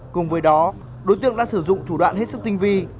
cùng với đó đối tượng đã sử dụng thủ đoạn hết sức tinh vi